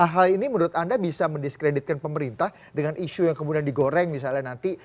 hal ini menurut anda bisa mendiskreditkan pemerintah dengan isu yang kemudian digoreng misalnya nanti